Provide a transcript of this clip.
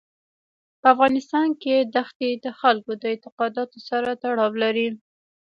په افغانستان کې دښتې د خلکو د اعتقاداتو سره تړاو لري.